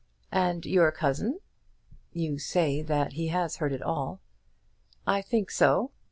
"And your cousin?" "You say that he has heard it all." "I think so.